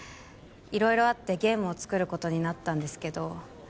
色々あってゲームを作ることになったんですけど